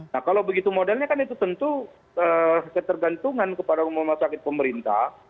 nah kalau begitu modelnya kan itu tentu ketergantungan kepada rumah sakit pemerintah